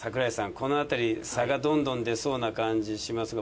この辺り差がどんどん出そうな感じしますが。